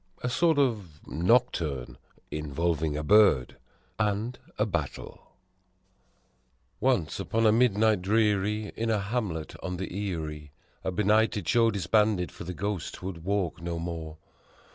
A sort of Nocturne, in volving a Bird and a Battle. The Purple Raven ONCE upon a midnight dreary, in a hamlet on the Erie, A benighted show disbanded, for the ghost would walk no more.